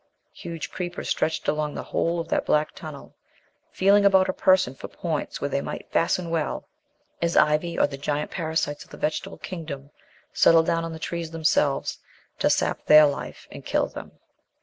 Huge creepers stretched along the whole of that black tunnel, feeling about her person for points where they might fasten well, as ivy or the giant parasites of the Vegetable Kingdom settle down on the trees themselves to sap their life and kill them.